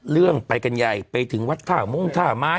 เรื่องไปกันใหญ่ไปถึงวัดท่ามงท่าไม้